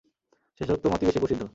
শেষোক্ত মতই বেশি প্রসিদ্ধ।